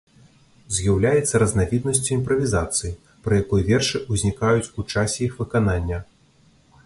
З'яўляецца разнавіднасцю імправізацыі, пры якой вершы ўзнікаюць у часе іх выканання.